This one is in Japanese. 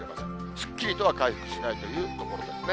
すっきりとは回復しないというところですね。